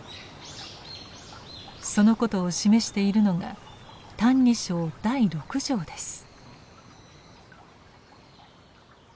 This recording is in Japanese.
そのことを示しているのが「歎異抄」第六条です。